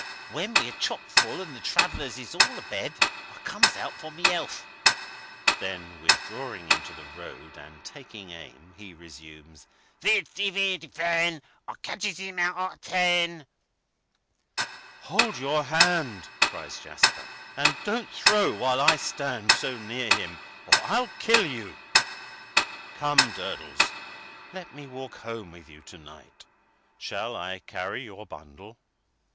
When we're chock full and the Travellers is all a bed I come out for my 'elth." Then withdrawing into the road, and taking aim, he resumes:— "Widdy widdy wen! I—ket—ches—Im—out—ar—ter—" "Hold your hand," cries Jasper, "and don't throw while I stand so near him, or I'll kill you! Come, Durdles; let me walk home with you to night. Shall I carry your bundle?"